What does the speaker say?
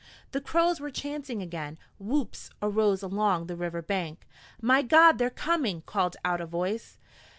The Crows were chanting again. Whoops arose along the river bank. "My God! they're coming!" called out a voice.